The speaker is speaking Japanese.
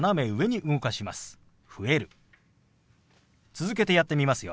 続けてやってみますよ。